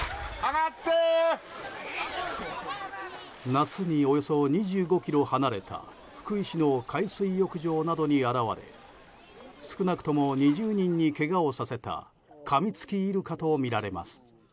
夏に、およそ２５ｋｍ離れた福井市の海水浴場などに現れ少なくとも２０人にけがをさせたかみつきイルカとみられます。